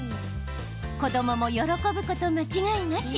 子どもも喜ぶこと間違いなし。